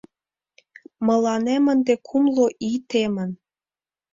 — Мыланем ынде кумло ий темын.